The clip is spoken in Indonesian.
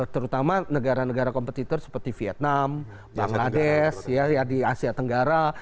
terutama negara negara kompetitor seperti vietnam bangladesh di asia tenggara